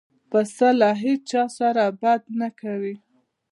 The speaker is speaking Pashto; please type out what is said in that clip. پسه له هیڅ چا سره بد نه کوي.